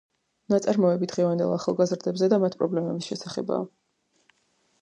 ნაწარმოები დღევანდელ ახალგაზრდებზე და მათ პრობლემების შესახებაა.